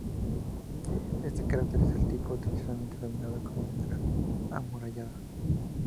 Este cráter es del tipo tradicionalmente denominado como llanura amurallada.